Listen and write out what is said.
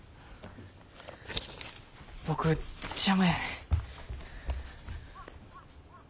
僕邪魔やね。